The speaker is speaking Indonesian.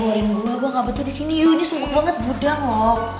ayo dong keluarin gue gue gak bener disini yuk ini sumet banget budang loh